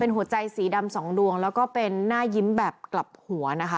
หัวใจสีดำสองดวงแล้วก็เป็นหน้ายิ้มแบบกลับหัวนะคะ